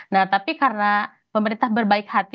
nah tapi karena pemerintah berbaik hati